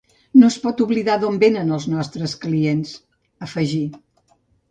No es pot oblidar d’on vénen els nostres clients, afegí.